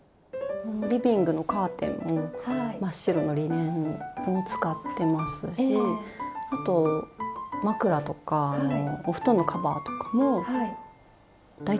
リビングのカーテンも真っ白のリネンを使ってますしあと枕とかお布団のカバーとかも大体リネンですね。